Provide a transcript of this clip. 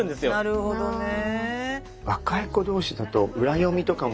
なるほどねえ。